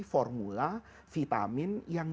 formula vitamin yang